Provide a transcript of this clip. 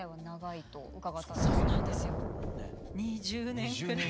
２０年くらい。